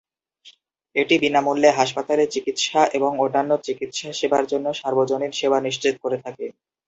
এটি বিনামূল্যে হাসপাতালে চিকিৎসা এবং অন্যান্য চিকিৎসা সেবার জন্য সার্বজনীন সেবা নিশ্চিত করে থাকে।